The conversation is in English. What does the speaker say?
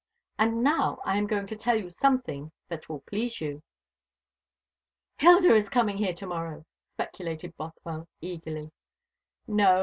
And now I am going to tell you something that will please you." "Hilda is coming here to morrow," speculated Bothwell eagerly. "No.